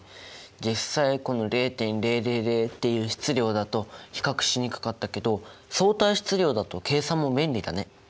実際この０．０００っていう質量だと比較しにくかったけど相対質量だと計算も便利だね。